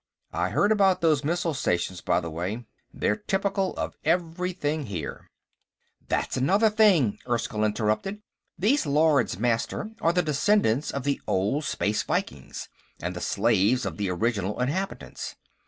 I heard about those missile stations, by the way. They're typical of everything here." "That's another thing," Erskyll interrupted. "These Lords Master are the descendants of the old Space Vikings, and the slaves of the original inhabitants.